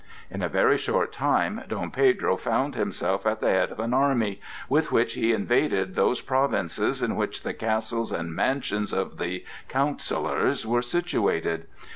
In a very short time Dom Pedro found himself at the head of an army, with which he invaded those provinces in which the castles and mansions of the counsellors were situated.